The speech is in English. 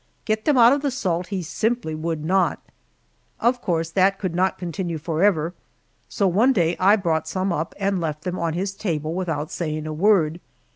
Get them out of the salt he simply would not. Of course that could not continue forever, so one day I brought some up and left them on his table without saying a word.